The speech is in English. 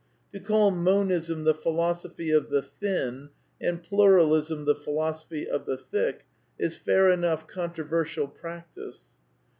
To call Monism the philosophy of the " Thin " and Pluralism the philosophy of the " Thick " is fair enough controversial practice.